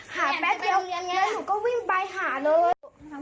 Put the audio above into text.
แป๊บเดียวแล้วหนูก็วิ่งไปหาเลย